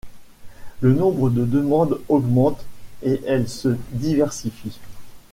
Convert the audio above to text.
Le nombre de demandes augmente et elles se diversifient.